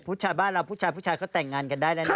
ผู้ชายบ้านเราผู้ชายผู้ชายเขาแต่งงานกันได้แล้วนะ